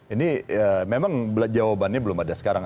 ini memang jawabannya belum ada sekarang